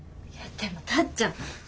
いやでもタッちゃん。